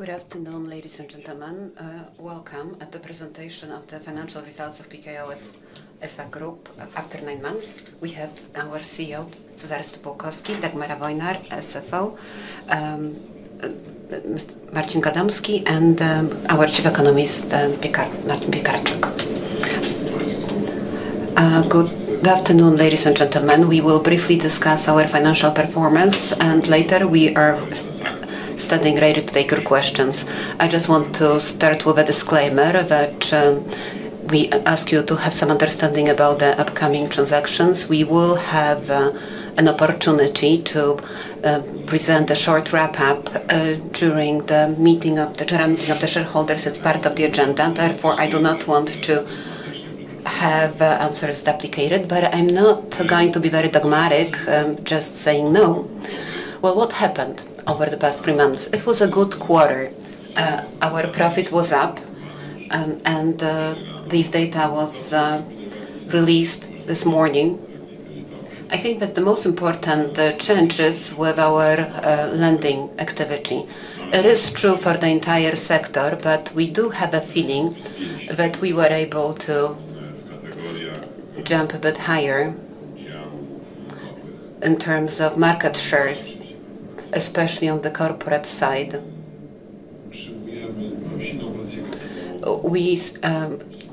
Good afternoon, ladies and gentlemen. Welcome at the presentation of the financial results of Pokea S.A. Group after nine months. We have our CEO Cezary Stypułkowski, Dagmara Wojnar, CFO Marcin Gadomski, and our Chief Economist Ernest Pytlarczyk. Good afternoon, ladies and gentlemen. We will briefly discuss our financial performance and later we are standing ready to take your questions. I just want to start with a disclaimer that we ask you to have some understanding about the upcoming transactions. We will have an opportunity to present a short wrap up during the meeting of the shareholders as part of the agenda. Therefore, I do not want to have answers duplicated. I am not going to be very dogmatic, just saying no. What happened over the past three months? It was a good quarter, our profit was up and these data was released this morning. I think that the most important changes with our lending activity, it is true for the entire sector. We do have a feeling that we were able to jump a bit higher in terms of market shares, especially on the corporate side. We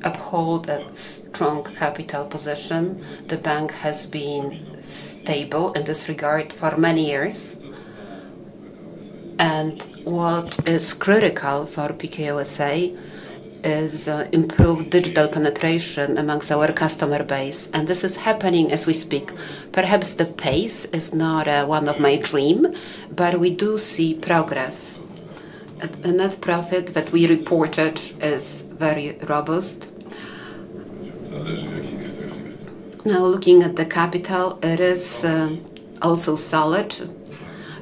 uphold a strong capital position. The bank has been stable in this regard for many years. What is critical for Pekao SA is improved digital penetration amongst our customer base. This is happening as we speak. Perhaps the pace is not one of my dream, but we do see progress. Net profit that we reported is very robust. Now, looking at the capital, it is also solid.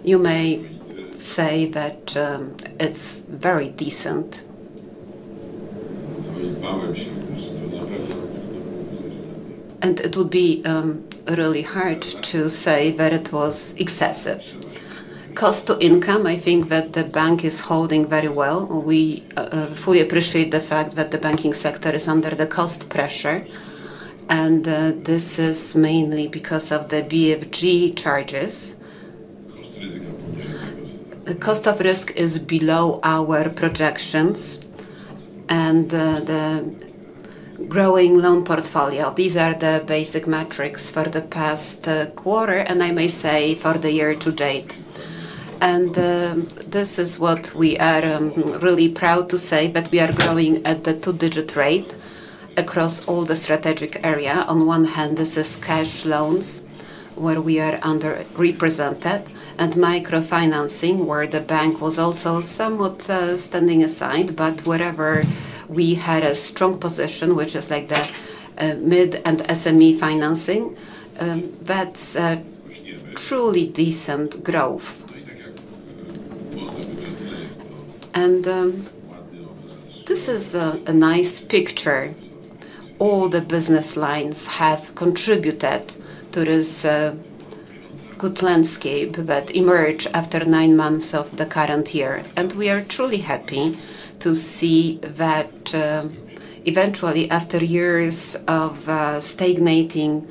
You may say that it's very decent and it would be really hard to say that it was excessive cost to income. I think that the bank is holding very well. We fully appreciate the fact that the banking sector is under the cost pressure and this is mainly because of the BFG charges. The cost of risk is below our projections and the growing loan portfolio. These are the basic metrics for the past quarter and I may say for the year to date. This is what we are really proud to say, that we are growing at the two digit rate across all the strategic area. On one hand, this is cash loans where we are underrepresented and micro financing where the bank was also somewhat standing aside. Wherever we had a strong position, which is like the mid and SME financing, that's truly decent growth. This is a nice picture. All the business lines have contributed to this good landscape that emerged after nine months of the current year. We are truly happy to see that eventually, after years of stagnating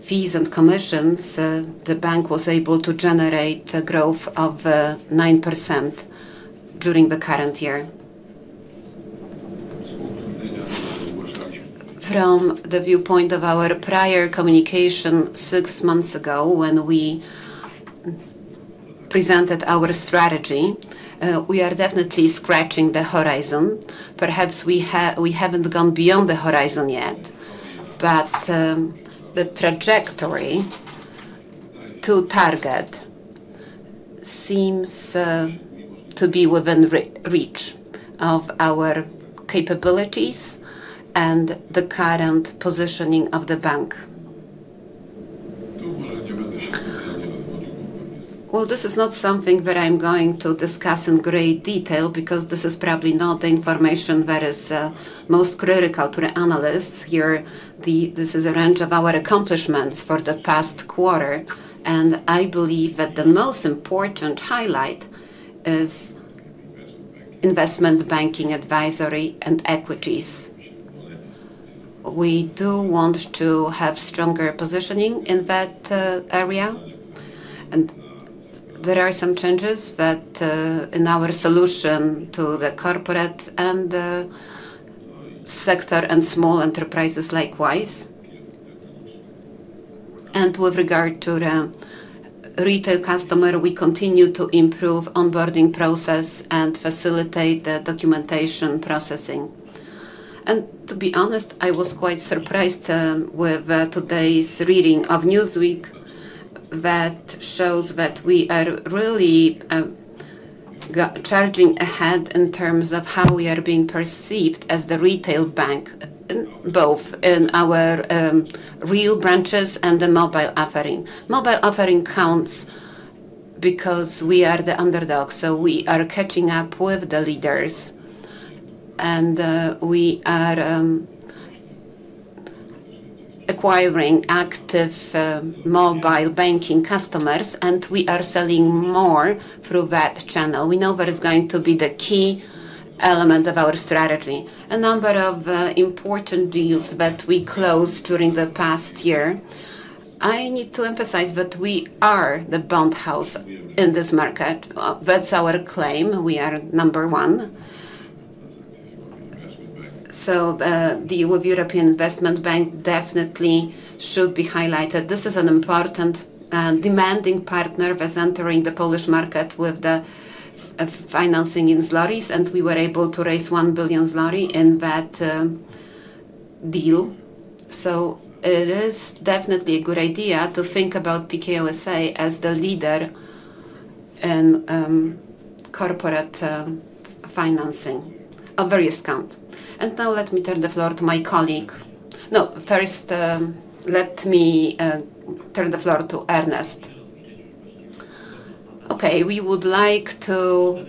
fees and commissions, the bank was able to generate growth of 9% during the current year. From the viewpoint of our prior communication six months ago, when we presented our strategy, we are definitely scratching the horizon. Perhaps we haven't gone beyond the horizon yet, but the trajectory to target seems to be within reach of our capabilities and the current positioning of the bank. This is not something that I'm going to discuss in great detail because this is probably not the information that is most critical to the analysts here. This is a range of our accomplishments for the past quarter and I believe that the most important highlight is investment banking advisory and equities. We do want to have stronger positioning in that area and there are some changes in our solution to the corporate and sector and small enterprises likewise. With regard to retail customer, we continue to improve onboarding process and facilitate the documentation processing. To be honest, I was quite surprised with today's reading of Newsweek. That shows that we are really charging ahead in terms of how we are being perceived as the retail bank, both in our real branches and the mobile offering. Mobile offering counts because we are the underdog. We are catching up with the leaders and we are acquiring active mobile banking customers and we are selling more through that channel. We know that is going to be the key element of our strategy. A number of important deals that we closed during the past year. I need to emphasize that we are the bond house in this market. That's our claim. We are number one. The deal of European Investment Bank definitely should be highlighted. This is an important demanding partner that's entering the Polish market with the financing in zloty. We were able to raise 1 billion in that deal. It is definitely a good idea to think about Pekao SA as the leader in corporate financing in various counts. Now let me turn the floor to my colleague. No, first let me turn the floor to Ernest. We would like to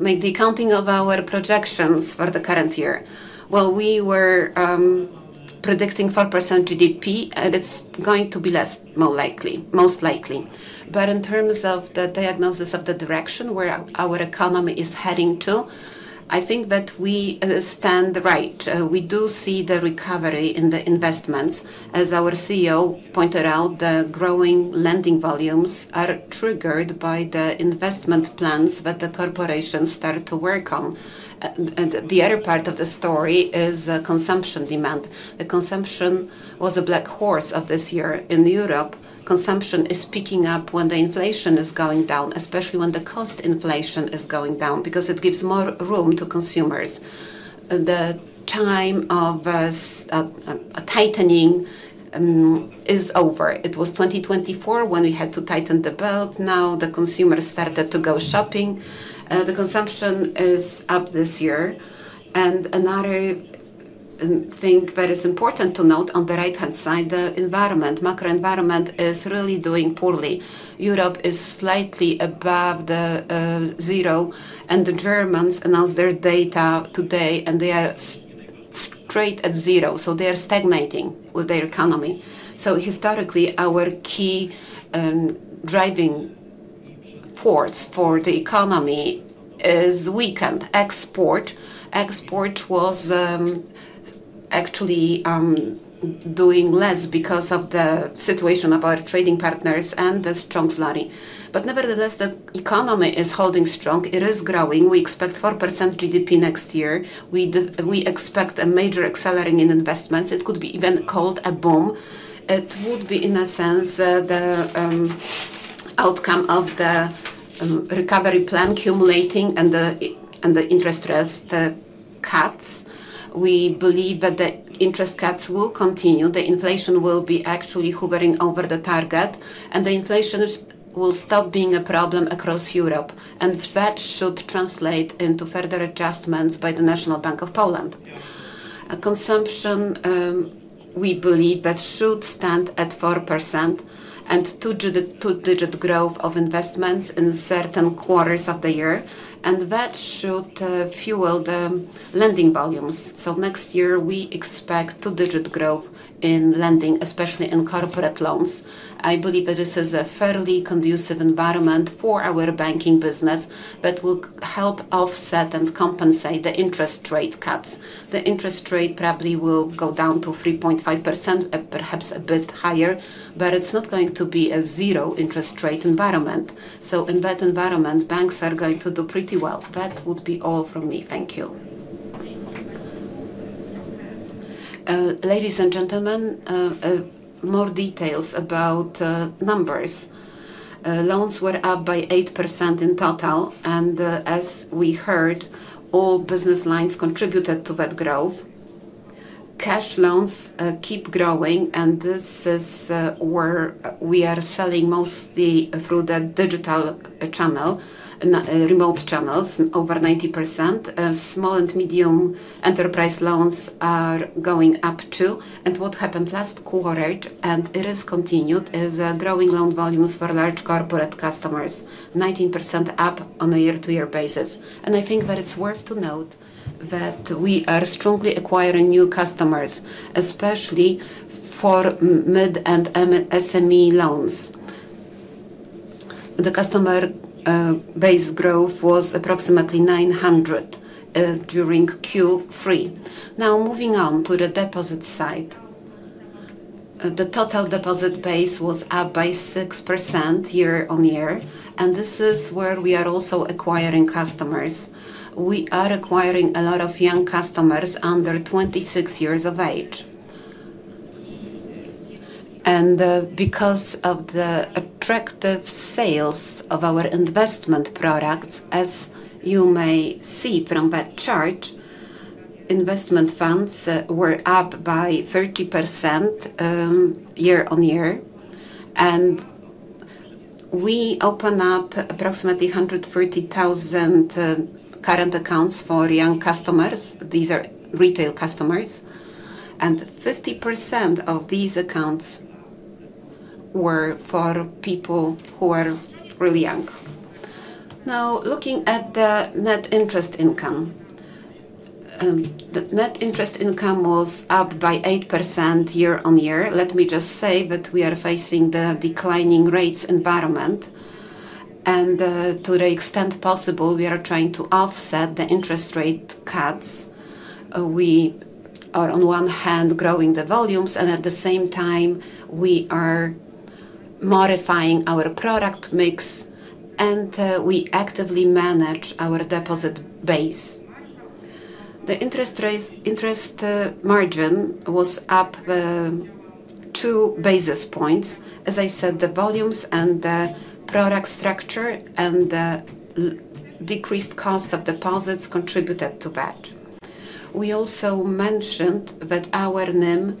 make the accounting of our projections for the current year. We were predicting 4% GDP and it's going to be less, more likely, most likely. In terms of the diagnosis of the direction where our economy is heading to, I think that we stand right. We do see the recovery in the investments. As our CEO pointed out, the growing lending volumes are triggered by the investment plans that the corporations started to work on. The other part of the story is consumption demand. The consumption was a black horse of this year in Europe. Consumption is picking up when the inflation is going down, especially when the cost inflation is going down because it gives more room to consumers. The time of tightening is over. It was 2024 when we had to tighten the belt. Now the consumers started to go shopping. The consumption is up this year. Another thing that is important to note on the right hand side, the environment, macro environment is really doing poorly. Europe is slightly above zero and the Germans announced their data today and they are straight at zero. They are stagnating with their economy. Historically our key driving ports for the economy is weakened. Export. Export was actually doing less because of the situation of our trading partners and the strong zloty. Nevertheless, the economy is holding strong. It is growing. We expect 4% GDP next year. We expect a major accelerating in investments. It could be even called a boom. It would be in a sense the outcome of the recovery plan cumulating and the interest rates cuts. We believe that the interest cuts will continue. The inflation will be actually hovering over the target and the inflation will stop being a problem across Europe. That should translate into further adjustments by the National Bank of Poland. Consumption, we believe, should stand at 4% and two digit growth of investments in certain quarters of the year and that should fuel the lending volumes. Next year we expect two digit growth in lending, especially in corporate loans. I believe that this is a fairly conducive environment for our banking business, which will help offset and compensate the interest rate cuts. The interest rate probably will go down to 3.5%, perhaps a bit higher, but it's not going to be a zero interest rate environment. In that environment, banks are going to do pretty well. That would be all from me, thank you. You. Ladies and gentlemen. More details about numbers. Loans were up by 8% in total. As we heard, all business lines contributed to that growth. Cash loans keep growing and this is where we are selling mostly through the digital channel, remote channels, over 90%. Small and medium enterprise loans are going up too. What happened last quarter, and it is continued, is growing loan volumes for large corporate customers, 19% up on a year to year basis. I think that it's worth to note that we are strongly acquiring new customers, especially for mid and SME loans. The customer base growth was approximately 900 during Q4. Now moving on to the deposit side. The total deposit base was up by 6% year on year. This is where we are also acquiring customers. We are acquiring a lot of young customers under 26 years of age. Because of the attractive sales of our investment products, as you may see from that chart, investment funds were up by 30% year on year. We open up approximately 130,000 current accounts for young customers. These are retail customers, and 50% of these accounts were for people who are really young. Now looking at the net interest income. The net interest income was up by 8% year on year. Let me just say that we are facing the declining rates environment and to the extent possible, we are trying to offset the interest rate cuts. We are on one hand growing the volumes and at the same time we are modifying our product mix and we actively manage our deposit base. The interest margin was up 2 basis points. As I said, the volumes and the product structure and the decreased cost of deposits contributed to that. We also mentioned that our NIM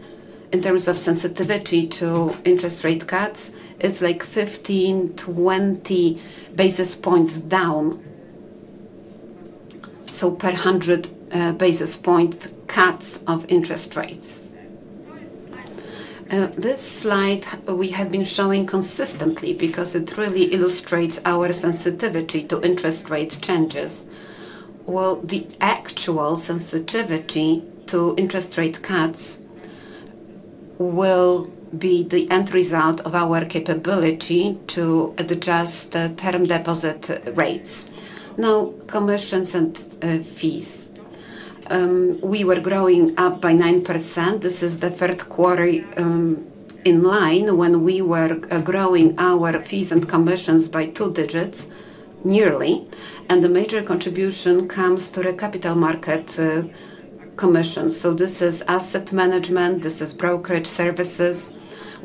in terms of sensitivity to interest rate cuts is like 15, 20 basis points down per 100 basis points cuts of interest rates. This slide we have been showing consistently because it really illustrates our sensitivity to interest rate changes. The actual sensitivity to interest rate cuts will be the end result of our capability to adjust term deposit rates. Now, commissions and fees we were growing up by 9%. This is the third quarter in line when we were growing our fees and commissions by two digits nearly. The major contribution comes to the capital market commission. This is asset management, this is brokerage services.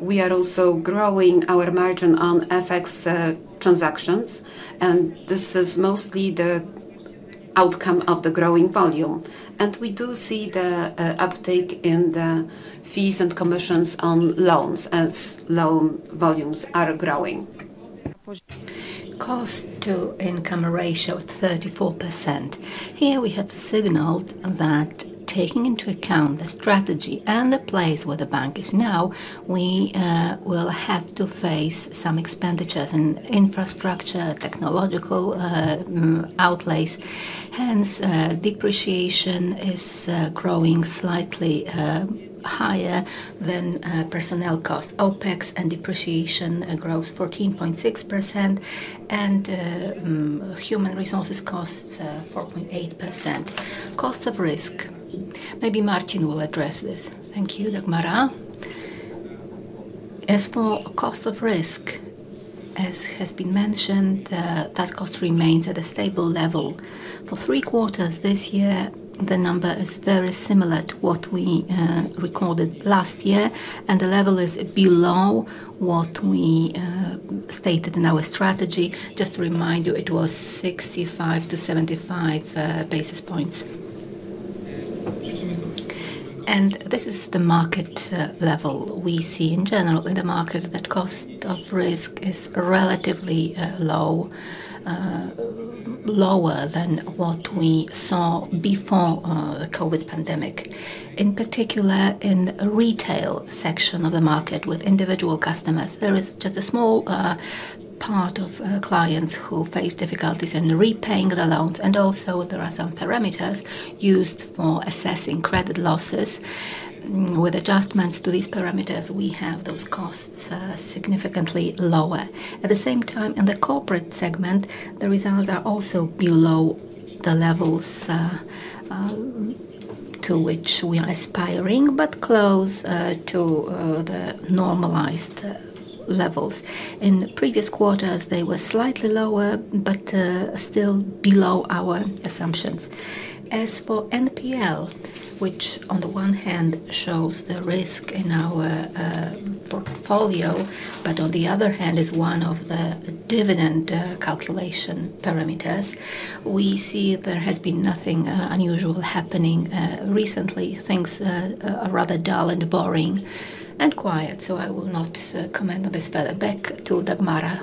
We are also growing our margin on FX transactions and this is mostly the outcome of the growing volume. We do see the uptake in the fees and commissions on loans as well. Loan volumes are growing. Cost-to-income ratio 34%. Here we have signaled that, taking into account the strategy and the place where the bank is now, we will have to face some expenditures in infrastructure and technological outlays. Hence, depreciation is growing slightly higher than personnel cost. OpEx and depreciation gross 14.6%. Human resources costs 4.8%. Cost of risk. Maybe Marcin will address this. Thank you, Dagmara. As for cost of risk, as has been mentioned, that cost remains at a stable level for three quarters this year. The number is very similar to what we recorded last year, and the level is below what we stated in our strategy. Just to remind you, it was 65 - 75 basis points. This is the market level. We see in general in the market that cost of risk is relatively low, lower than what we saw before the COVID pandemic. In particular, in the retail section of the market with individual customers, there is just a small part of clients who face difficulties in repaying the loans. There are also some parameters used for assessing credit losses. With adjustments to these parameters, we have those costs significantly lower. At the same time, in the corporate segment, the results are also below the levels to which we are aspiring, but close to the normalized levels. In previous quarters, they were slightly lower but still below our assumptions. As for NPL, which on the one hand shows the risk in our portfolio, but on the other hand is one of the dividend calculation parameters, we see there has been nothing unusual happening recently. Things are rather dull and boring and quiet. I will not comment on this. Further, back to Dagmara.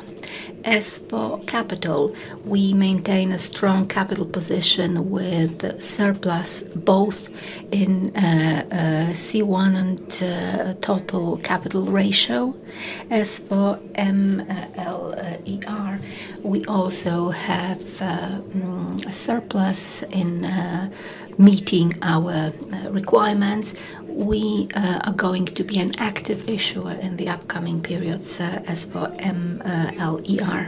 As for capital, we maintain a strong capital position with surplus both in CET1 and total capital ratio. As for MLER, we also have a surplus in meeting our requirements. We are going to be an active issuer in the upcoming periods. As for MLER,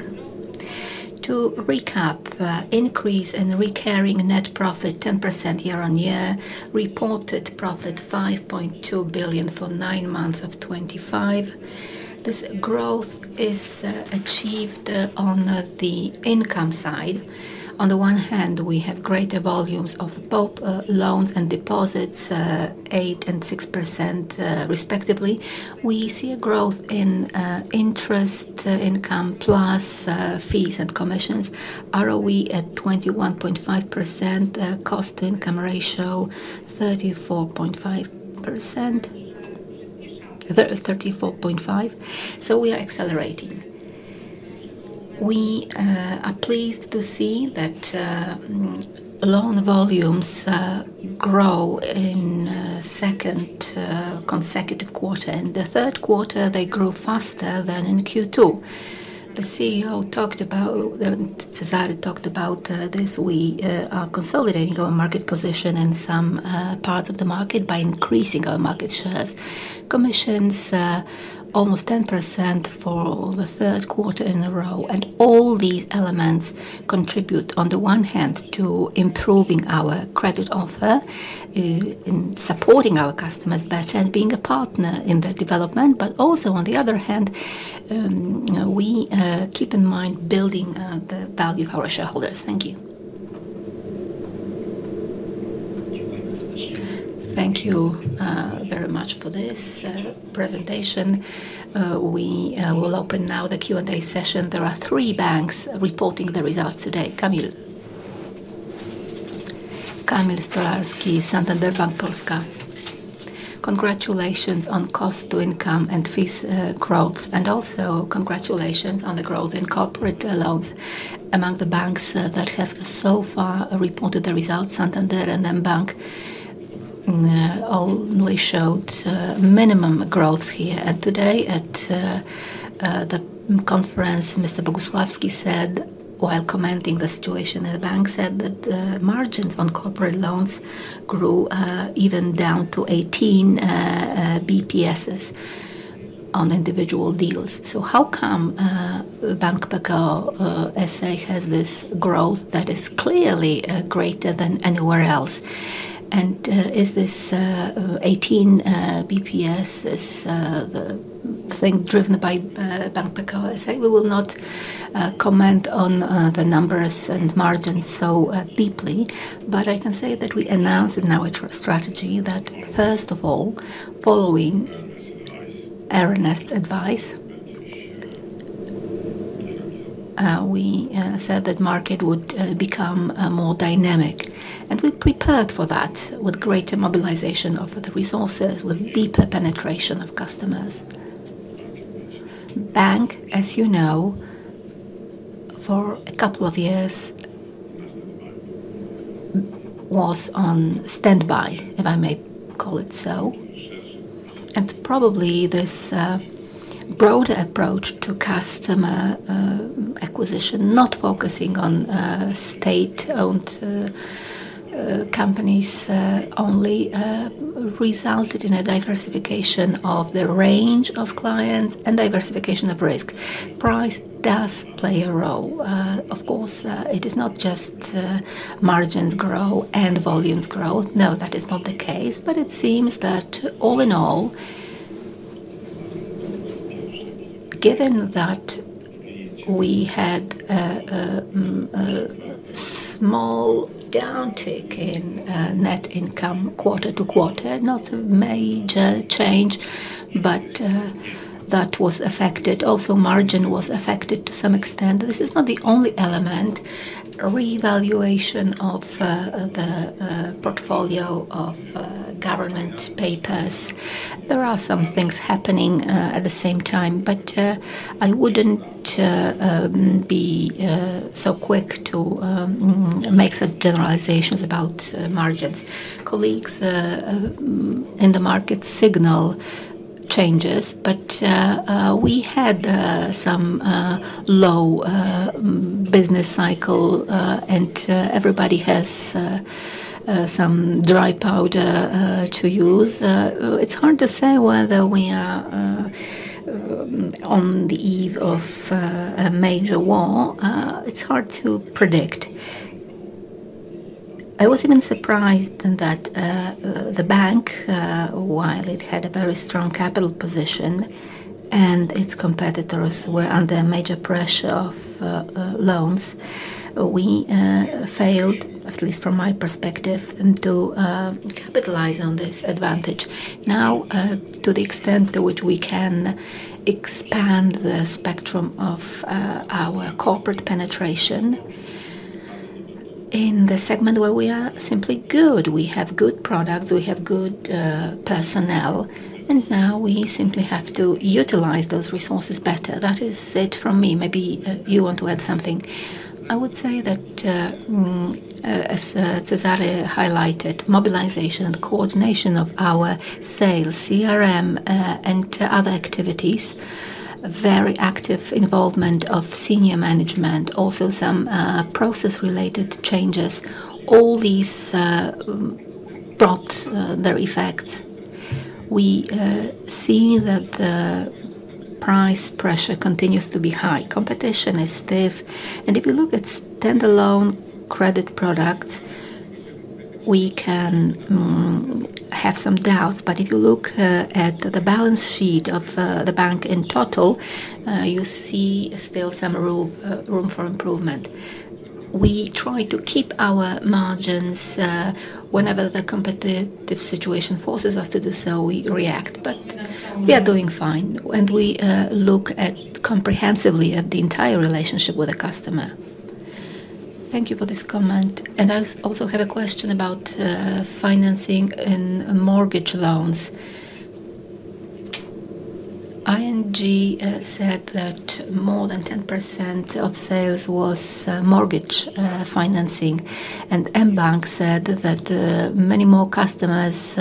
to recap, increase in recurring net profit 10% year on year. Reported profit 5.2 billion for nine months of 2024. This growth is achieved on the income side. On the one hand, we have greater volumes of both loans and deposits, 8% and 6% respectively. We see a growth in interest income plus fees and commissions. ROE at 21.5%. Cost-to-income ratio 34.5%. We are accelerating. We are pleased to see that loan volumes grow in the second consecutive quarter. In the third quarter, they grew faster than in Q2. The CEO talked about this. Cezary talked about this. We are consolidating our market position in some parts of the market by increasing our market shares, commissions almost 10% for the third quarter in a row. All these elements contribute on the one hand to improving our credit offer, supporting our customers better, and being a partner in their development. On the other hand, we keep in mind building the value of our shareholders. Thank you. Thank you very much for this presentation. We will open now the Q and A session. There are three banks reporting the results today. Kamil Stolarski, Santander Bank Polska. Congratulations on cost-to-income and fees growth, and also congratulations on the growth in corporate loans among the banks that have so far reported the results. mBank only showed minimum growth here and today at the conference. Mr. Bogusławski said while commenting on the situation, the bank said that margins on corporate loans grew even down to 18 bps on individual deals. How come Bank Pekao SA has this growth that is clearly greater than anywhere else? Is this 18 bps, this thing driven by Bank Pekao? I say we will not comment on the numbers and margins so deeply. I can say that we announced in our strategy that, first of all, following Ernest's advice, we said that the market would become more dynamic and we prepared for that with greater mobilization of the resources, with deeper penetration of customers. Bank, as you know, for a couple of years was on standby, if I may call it so, and probably this broader approach to customer acquisition, not focusing on state-owned companies only, resulted in a diversification of the range of clients and diversification of risk. Price does play a role. Of course, it is not just margins grow and volumes grow. No, that is not the case. It seems that all in all, given that we had a small downtick in net income quarter to quarter, not a major change, but that was affected. Also, margin was affected to some extent. This is not the only element. Revaluation of the portfolio of government papers. There are some things happening at the same time, but I wouldn't be so quick to make generalizations about margins. Colleagues in the markets signal changes, but we had some low business cycle and everybody has some dry powder to use. It's hard to say whether we are on the eve of a major war. It's hard to predict. I was even surprised that the bank, while it had a very strong capital position and its competitors were under major pressure of loans. We failed, at least from my perspective, to capitalize on this advantage. Now, to the extent to which we can expand the spectrum of our corporate penetration in the segment where we are simply good, we have good products, we have good personnel, and now we simply have to utilize those resources better. That is it from me. Maybe you want to add something. I would say that as Cezary highlighted, mobilization and coordination of our sales, CRM, and other activities, very active involvement of Senior Management, also some process-related changes. All these brought their effects. We see that the price pressure continues to be high, competition is stiff, and if you look at standalone credit products, we can have some doubts. If you look at the balance sheet of the bank in total, you see still some room for improvement. We try to keep our margins. Whenever the competitive situation forces us to do so, we react. We are doing fine and we look comprehensively at the entire relationship with the customer. Thank you for this comment. I also have a question about financing in mortgage loans. ING said that more than 10% of sales was mortgage financing. mBank said that many more customers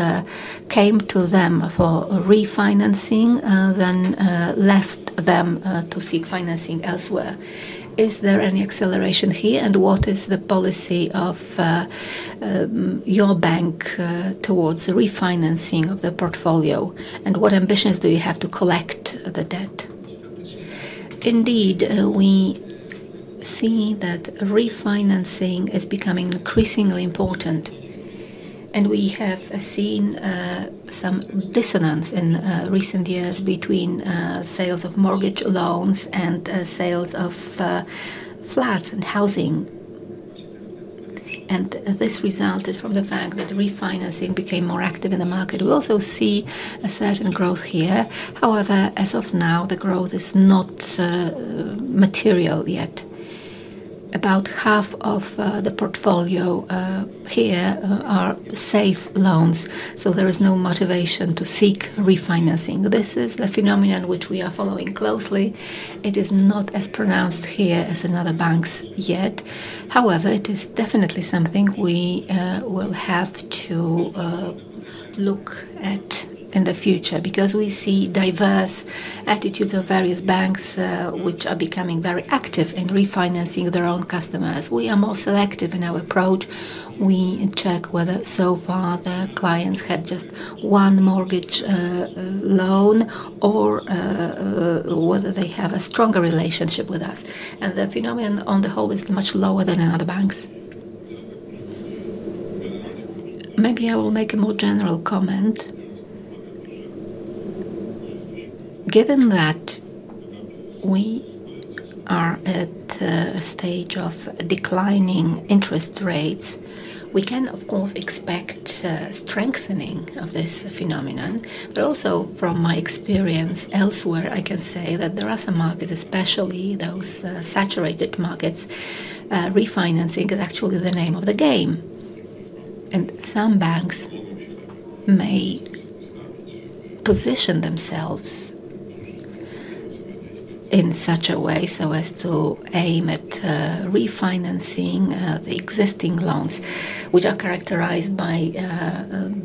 came to them for refinancing than left them to seek financing elsewhere. Is there any acceleration here? What is the policy of your bank towards refinancing of the portfolio? What ambitions do you have to collect the debt? Indeed, we see that refinancing is becoming increasingly important. We have seen some dissonance in recent years between sales of mortgage loans and sales of flats and housing. This resulted from the fact that refinancing became more active in the market. We also see a certain growth here. However, as of now the growth is not material. Yet about half of the portfolio here are safe loans, so there is no motivation to seek refinancing. This is the phenomenon which we are following closely. It is not as pronounced here as in other banks yet. However, it is definitely something we will have to look at in the future because we see diverse attitudes of various banks which are becoming very active in refinancing their own customers. We are more selective in our approach. We check whether so far the clients had just one mortgage loan or whether they have a stronger relationship with us. The phenomenon on the whole is much lower than in other banks. Maybe I will make a more general comment. Given that we are at a stage of declining interest rates, we can of course expect strengthening of this phenomenon. Also, from my experience elsewhere, I can say that there are some markets, especially those saturated markets, where refinancing is actually the name of the game. Some banks may position themselves in such a way so as to aim at refinancing the existing loans which are characterized by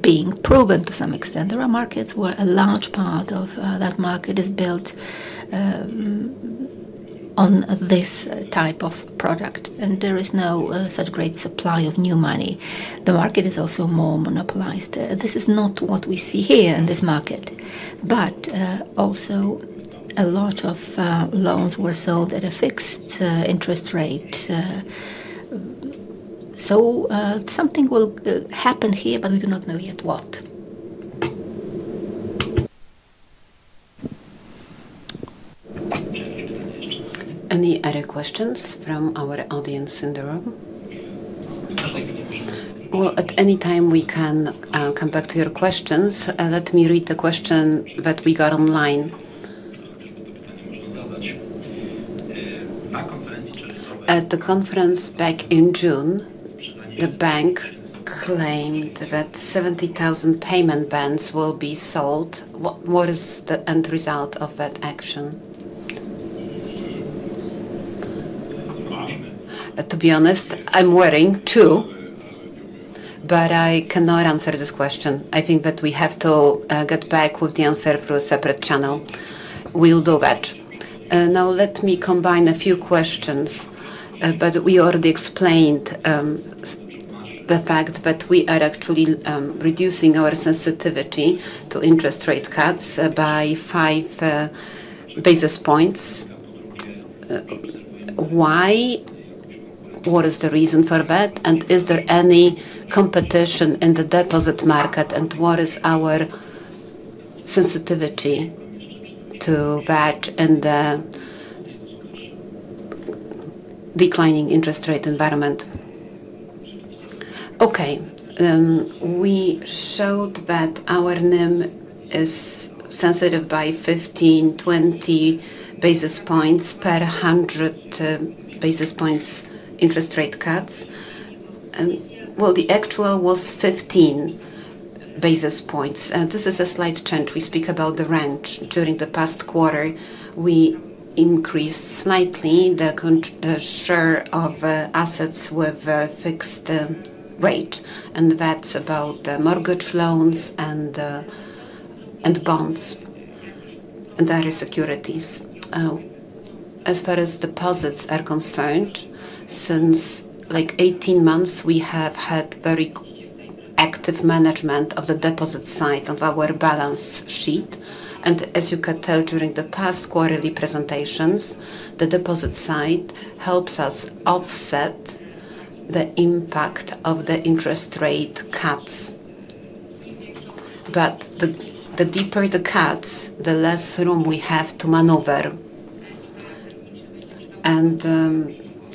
being proven to some extent. There are markets where a large part of that market is built on this type of product, and there is no such great supply of new money. The market is also more monopolized. This is not what we see here in this market, but also a lot of loans were sold at a fixed interest rate. Something will happen here, but we do not know yet what. Any other questions from our audience in the room? At any time we can come back to your questions. Let me read the question that we got online at the conference back in June. The bank claimed that 70,000 payment bands will be sold. What is the end result of that action? To be honest, I'm worrying too but I cannot answer this question. I think that we have to get back with the answer through a separate channel. We will do that. Now let me combine a few questions. We already explained the fact that we are actually reducing our sensitivity to interest rate cuts by 5 basis points. Why? What is the reason for that? Is there any competition in the deposit market? What is our sensitivity to VAT and declining interest rate environment? Okay. We showed that our NIM is sensitive by 15, 20 basis points per 100 basis points interest rate cuts. The actual was 15 basis points. This is a slight change. We speak about the rent. During the past quarter we increased slightly the share of assets with fixed rate. That's about mortgage loans and bonds and other securities. As far as deposits are concerned, since about 18 months we have had very active management of the deposit side of our balance sheet and as you can tell during the past quarterly presentations, the deposit side helps us offset the impact of the interest rate cuts. The deeper the cuts, the less room we have to maneuver and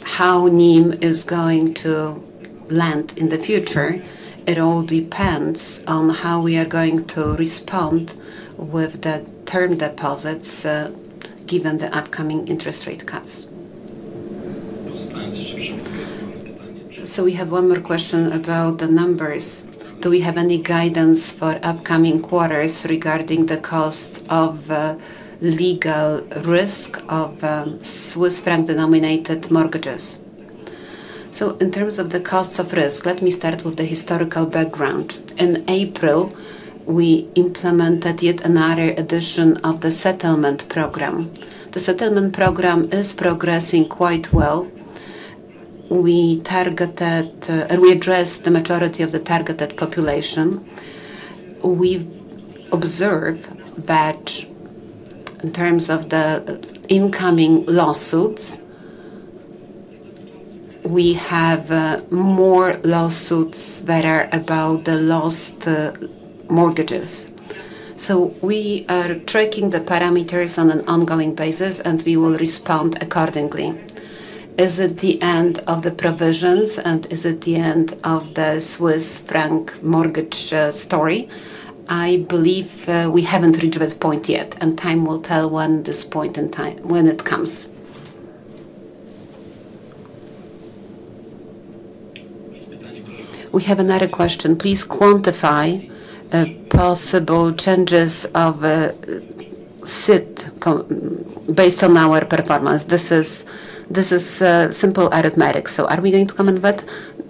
how NIM is going to land in the future. It all depends on how we are going to respond with the term deposits given the upcoming interest rate cuts. We have one more question about the numbers. Do we have any guidance for upcoming quarters regarding the costs of legal risk of Swiss franc denominated mortgages? In terms of the costs of risk, let me start with the historical background. In April we implemented yet another addition of the settlement program. The settlement program is progressing quite well. We targeted and we address the majority of the targeted population. We observe that in terms of the incoming lawsuits, we have more lawsuits that are about the lost mortgages. We are tracking the parameters on an ongoing basis and we will respond accordingly. Is it the end of the provisions and is it the end of the Swiss franc mortgage story? I believe we haven't reached that point yet and time will tell when this point in time, when it comes. We have another question. Please quantify possible changes of SIT based on our performance. This is simple arithmetic. Are we going to come and vote?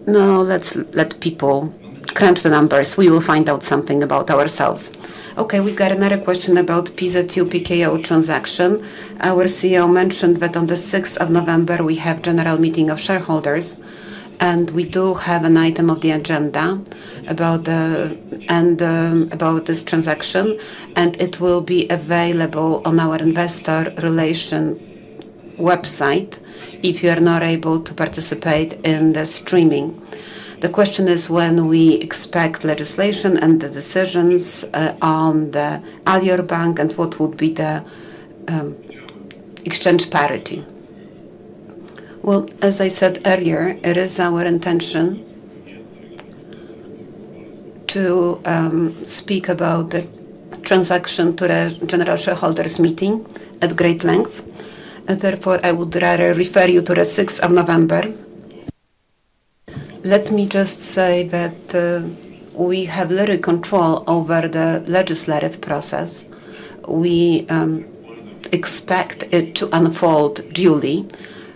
No, let's let people crunch the numbers. We will find out something about ourselves. Okay, we got another question about Pisa 2 PKO transaction. Our CEO mentioned that on the 6th of November we have general meeting of shareholders and we do have an item of the agenda about this transaction and it will be available on our investor relations website. If you are not able to participate in the streaming, the question is when we expect legislation and the decisions on the Alior Bank and what would be the exchange parity? As I said earlier, it is our intention to speak about the transaction to the general shareholders meeting at great length, and therefore I would rather refer you to the 6th of November. Let me just say that we have little control over the legislative process. We expect it to unfold duly.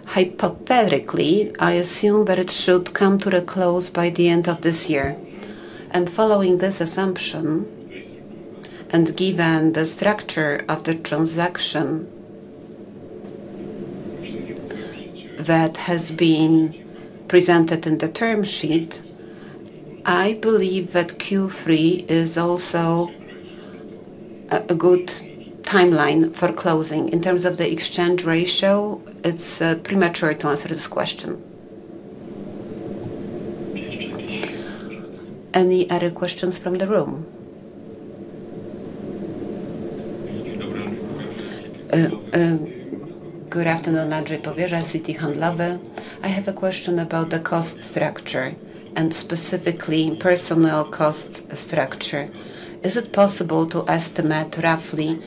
Hypothetically, I assume that it should come to a close by the end of this year. Following this assumption and given the structure of the transaction that has been presented in the term sheet, I believe that Q3 is also a good timeline for closing. In terms of the exchange ratio, it's premature to answer this question. Any other questions from the room? Good afternoon. Andrzej Powierza, Citi Handlowy. I have a question about the cost structure and specifically personnel cost structure. Is it possible to estimate roughly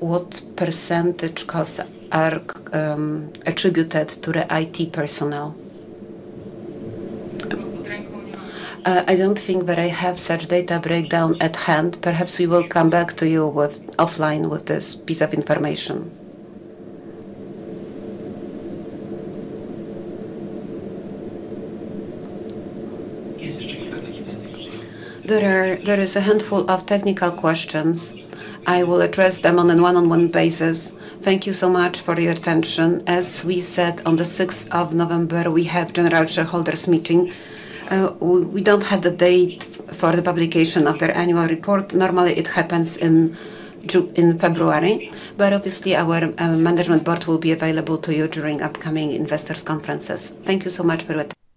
what % costs are attributed to the IT personnel? I don't think that I have such data breakdown at hand. Perhaps we will come back to you offline with this piece of information. There is a handful of technical questions. I will address them on a one on one basis. Thank you so much for your attention. As we said, on the 6th of November we have general shareholders meeting. We don't have the date for the publication of their annual report. Normally it happens in February, but obviously our Management Board will be available to you during upcoming investors conferences. Thank you so much for your attention.